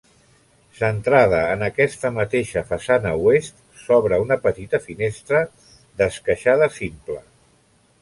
Centrada en aquesta mateixa façana oest, s'obre una petita finestra d'esqueixada simple.